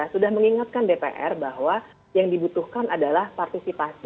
sudah mengingatkan dpr bahwa yang dibutuhkan adalah partisipasi